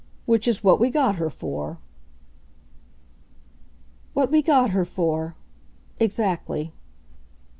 Which is what we got her for!" "What we got her for exactly!"